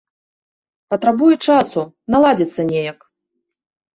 Патрабуе часу, наладзіцца неяк.